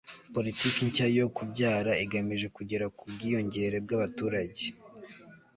politiki nshya yo kubyara igamije kugera ku bwiyongere bw'abaturage